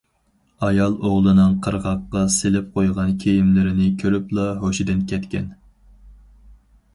ئايالى ئوغلىنىڭ قىرغاققا سېلىپ قويغان كىيىملىرىنى كۆرۈپلا ھوشىدىن كەتكەن.